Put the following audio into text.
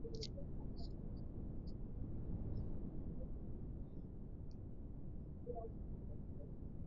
Alisema hayo kwa shirika la habari kwamba wanaendelea kufanya utafiti wa sera ambazo zitastahili